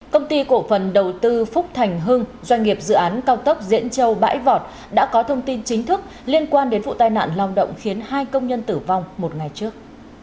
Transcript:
công ty cổ phần đầu tư phúc thành hưng doanh nghiệp dự án cao tốc diễn châu bãi vọt đã có thông tin chính thức liên quan đến vụ tai nạn lao động khiến hai công nhân tử vong một ngày trước